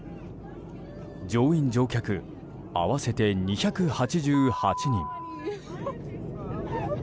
乗員・乗客合わせて２８８人。